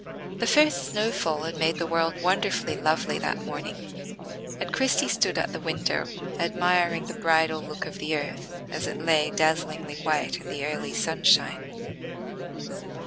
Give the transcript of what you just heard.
The first snow fall had made the world wonderfully lovely that morning; and Christie stood at the window admiring the bridal look of the earth, as it lay dazzlingly white in the early sunshine.